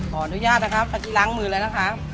ขออนุญาตนะครับตะกี้ล้างมือเลยนะคะ